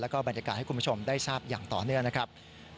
แล้วก็บรรยากาศให้คุณผู้ชมได้ทราบอย่างต่อเนื่องนะครับ